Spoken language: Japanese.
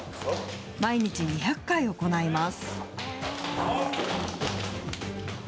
毎日２００回行います。